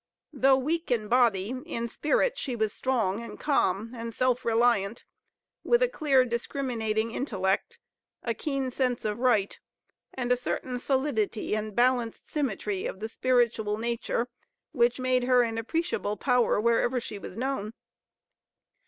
Though weak in body, in spirit she was strong and calm and self reliant, with a clear, discriminating intellect, a keen sense of right, and a certain solidity and balanced symmetry of the spiritual nature which made her an appreciable power wherever she was known.